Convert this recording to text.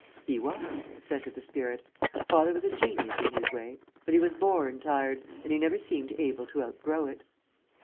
"He was," assented the spirit. "Father was a genius in his way; but he was born tired, and he never seemed able to outgrow it."